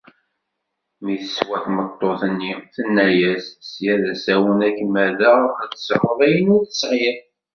Mi teswa tmeṭṭut-nni, tenna-as: « sya d asawen ad kem-rreɣ ad tesɛuḍ ayen ur tesɛi